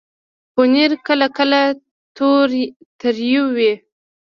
پنېر کله کله تریو وي.